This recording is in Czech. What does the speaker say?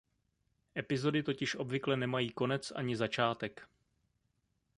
Epizody totiž obvykle nemají konec ani začátek.